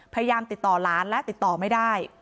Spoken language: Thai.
พยายามติดต่อหลานและติดต่อไม่ได้